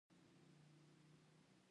ادبي استعداد باید وپالل سي.